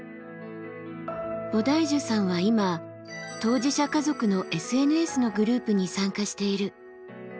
ボダイジュさんは今当事者家族のＳＮＳのグループに参加している。